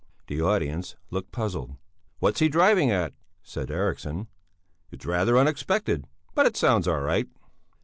The audience looked puzzled. "What's he driving at?" said Eriksson. "It's rather unexpected, but it sounds all right."